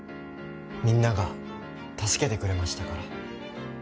みんなが助けてくれましたから。